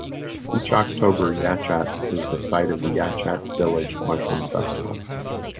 Each October, Yachats is the site of the Yachats Village Mushroom Festival.